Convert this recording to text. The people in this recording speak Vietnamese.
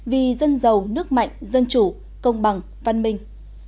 vì dân giàu nước mạnh dân chủ công bằng văn minh